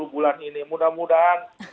bulan ini mudah mudahan